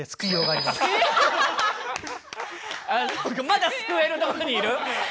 まだ救えるとこにいる？